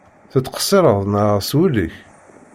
Tettqeṣṣireḍ neɣ s wul-ik?